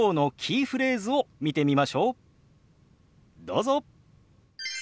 どうぞ。